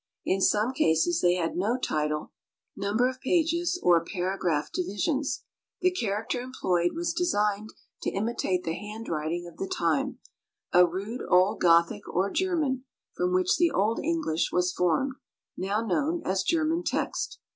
In some cases they had no title, number of pages, or paragraph divisions. The character employed was designed to imitate the hand writing of the time, a rude old Gothic or German, from which the old English was formed, now known as German text.